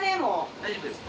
大丈夫ですか？